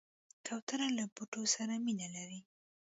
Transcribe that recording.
کوتره له بوټو سره مینه لري.